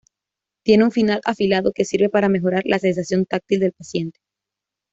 Tiene un final afilado que sirve para mejorar la sensación táctil del paciente.